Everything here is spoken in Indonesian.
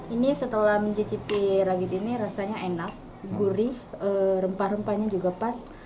ini setelah mencicipi ragit ini rasanya enak gurih rempah rempahnya juga pas